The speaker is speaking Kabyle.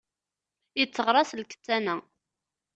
Itteɣraṣ lkettan-a.